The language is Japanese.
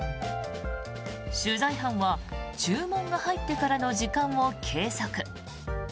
取材班は注文が入ってからの時間を計測。